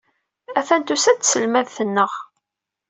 Attan tusa-d tselmadt-nneɣ.